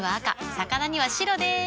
魚には白でーす。